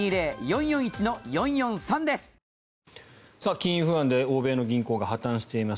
金融不安で欧米の銀行が破たんしています。